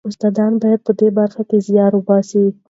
استادان باید په دې برخه کې زیار وباسي.